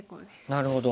なるほど。